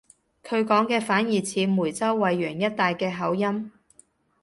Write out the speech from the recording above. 佢講嘅反而似梅州惠陽一帶嘅口音